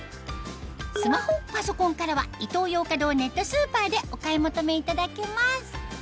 スマホパソコンからはイトーヨーカドーネットスーパーでお買い求めいただけます